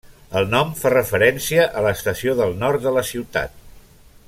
El nom fa referència a l'Estació del Nord de la ciutat.